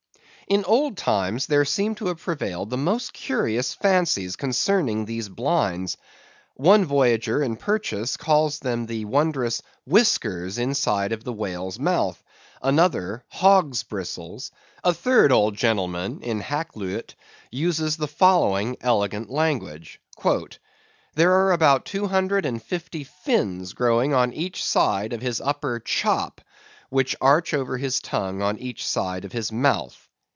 In old times, there seem to have prevailed the most curious fancies concerning these blinds. One voyager in Purchas calls them the wondrous "whiskers" inside of the whale's mouth;* another, "hogs' bristles"; a third old gentleman in Hackluyt uses the following elegant language: "There are about two hundred and fifty fins growing on each side of his upper chop, which arch over his tongue on each side of his mouth."